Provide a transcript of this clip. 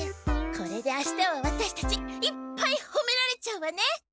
これであしたはワタシたちいっぱいほめられちゃうわね！